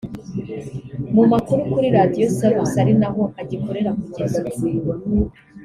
mu makuru kuri Radio Salus ari naho agikora kugeza ubu